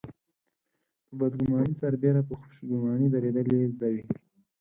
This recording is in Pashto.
په بدګماني سربېره په خوشګماني درېدل يې زده وي.